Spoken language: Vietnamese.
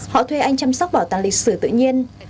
họ thuê anh chăm sóc bảo tàng lịch sử tự nhiên